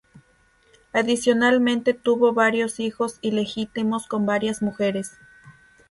Adicionalmente tuvo varios hijos ilegítimos con varias mujeres.